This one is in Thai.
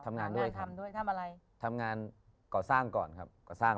ทำงานด้วยครับทำงานยังออกไปไหนทำงานทำทำอะไร